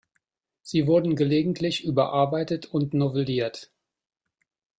Sie wurden gelegentlich überarbeitet und novelliert.